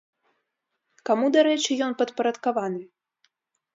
Каму, дарэчы, ён падпарадкаваны?